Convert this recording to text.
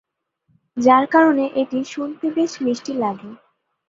যার কারণে এটি শুনতে বেশ মিষ্টি লাগে।